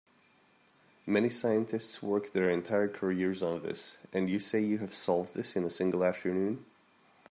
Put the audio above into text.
Many scientists work their entire careers on this, and you say you have solved this in a single afternoon?